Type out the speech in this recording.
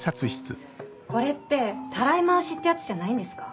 これってたらい回しってやつじゃないんですか？